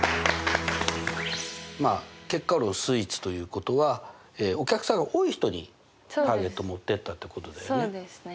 まあ結果スイーツということはお客さんが多い人にターゲットを持ってったってことだよね？